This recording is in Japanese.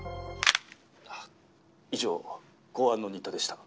「以上公安の新田でした」